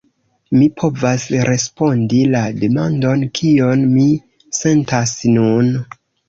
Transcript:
Mi povas respondi la demandon: kion mi sentas nun?